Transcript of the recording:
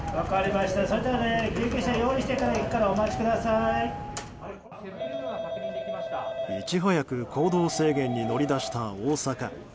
いち早く行動制限に乗り出した大阪。